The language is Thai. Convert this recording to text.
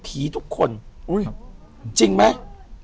ผีทุกคนอย่างนี้จริงไหม